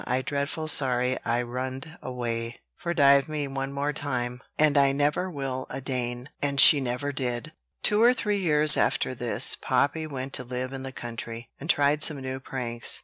I drefful sorry I runned away. Fordive me one time more, and I never will adain;" and she never did. Two or three years after this, Poppy went to live in the country, and tried some new pranks.